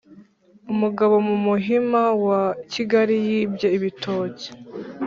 ! Umugabo mu Muhima wa Kigali yibye ibitoki